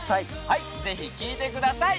はいぜひ聴いてください